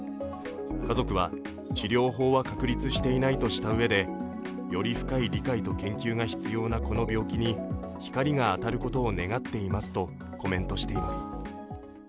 家族は、治療法は確立していないとしたうえでより深い理解と研究が必要なこの病気に光が当たることを願っていますとコメントしています。